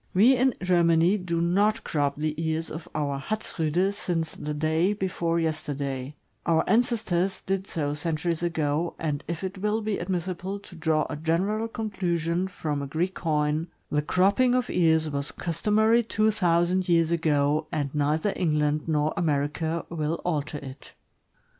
We in Germany do not crop the ears of our Hatzriide since the day before yester day; our ancestors did so centuries ago, and if it will be admissible to draw a general conclusion from a Greek coin, the cropping of ears was customary two thousand years ago, and neither England nor America will alter it.